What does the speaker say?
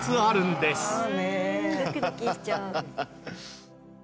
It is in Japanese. ドキドキしちゃう。